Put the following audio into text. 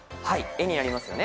「エ」になりますよね。